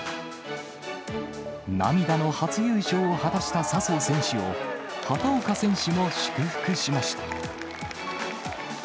涙の初優勝を果たした笹生選手を、畑岡選手も祝福しました。